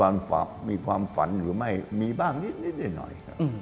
มีความฝันหรือไม่มีบ้างนิดนิดหน่อย